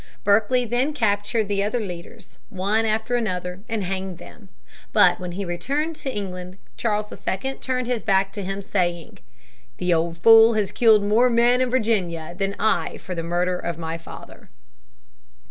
Berkeley then captured the other leaders one after another and hanged them. But when he returned to England, Charles II turned his back to him, saying, "The old fool has killed more men in Virginia than I for the murder of my father."